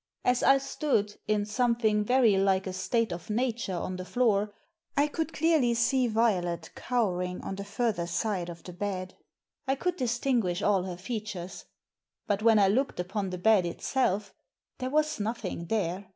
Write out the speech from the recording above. As I stood, in something very like a state of nature on the floor, I could clearly see Violet cowering on the further side of the bed. I could distinguish all her features. But when I looked upon the bed itself— there was nothing there.